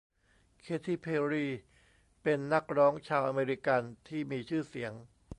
เคที เพร์รี เป็นนักร้องชาวอเมริกันที่มีชื่อเสียง